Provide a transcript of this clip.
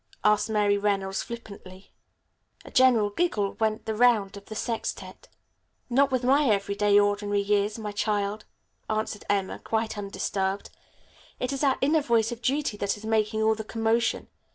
asked Mary Reynolds flippantly. A general giggle went the round of the sextette. "Not with my everyday ordinary ears, my child," answered Emma, quite undisturbed. "It is that inner voice of duty that is making all the commotion.